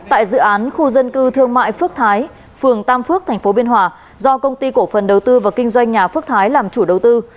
tại dự án khu dân cư thương mại phước thái phường tam phước tp biên hòa do công ty cổ phần đầu tư và kinh doanh nhà phước thái làm chủ đầu tư